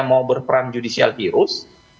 mau berperan judicial virus